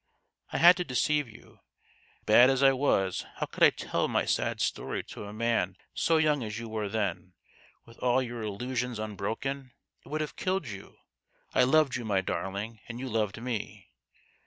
I had to deceive you. Bad as I was how could I tell my sad story to a man so young as you were then, with all your illusions unbroken ? It would have killed you. I loved you, my darling, and you loved me.